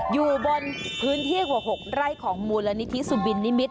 อยู่บนพื้นที่กว่า๖ไร่ของมูลนิธิสุบินนิมิตร